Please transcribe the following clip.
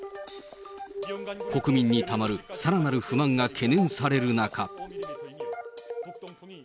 国民にたまるさらなる不満が懸念される中。